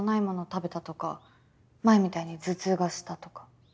食べたとか前みたいに頭痛がしたとか。